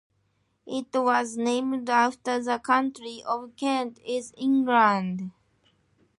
It was named after the county of Kent, in England.